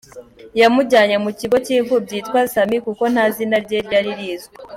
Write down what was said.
Yamujyanye mu kigo cy’imfubyi yitwa “Sammy” kuko nta zina rye ryari rizwi.